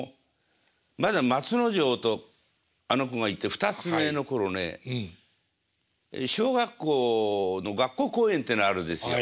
まだ松之丞とあの子がいって二つ目の頃ね小学校の学校公演というのがあるんですよ。